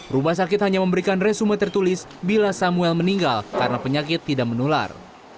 rumah sakit hanya memberikan resume tertulis bila samuel meninggal karena penyakit tidak menular